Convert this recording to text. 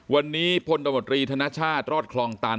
วันนี้พลตมตรีธนชาติรอดคลองตัน